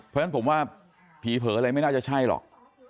เพราะฉะนั้นผมว่าผีเผลออะไรไม่น่าจะใช่หรอก